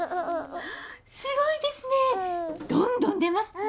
すごいですねどんどん出ます